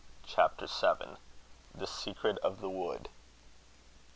CHAPTER VII. THE SECRET OF THE WOOD.